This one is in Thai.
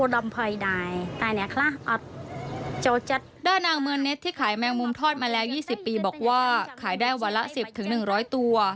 ดานางเมืองเน็ตที่ขายแมงมุมทอดมาแล้ว๒๐ปีบอกว่าขายได้วันละ๑๐๑๐๐ตัว